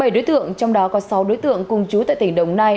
bảy đối tượng trong đó có sáu đối tượng cùng chú tại tỉnh đồng nai